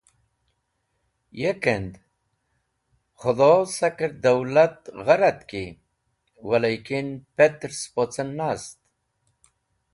“Ye kend! Khudo saker dawlat gha retki wa likin petr spocen nast.